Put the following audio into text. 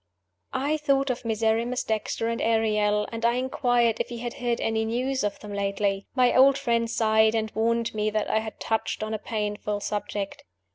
I thought of Miserrimus Dexter and Ariel; and I inquired if he had heard any news of them lately. My old friend sighed, and warned me that I had touched on a painful subject.